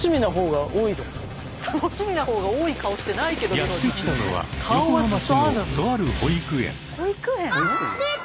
やって来たのは横浜市のとある保育園。